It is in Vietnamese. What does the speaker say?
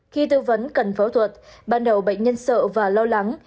khi tư vấn cần phẫu thuật ban đầu bệnh nhân sợ và lo lắng